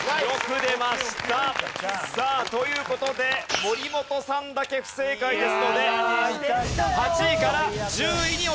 さあという事で森本さんだけ不正解ですので８位から１０位に落ちます。